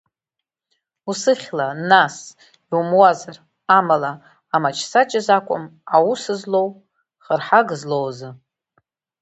Усыхьла, нас, иумуазар, амала, амаҷсаҷаз акәым, аус злоу, хырҳага злоу азы!